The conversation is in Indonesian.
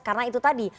karena itu tadi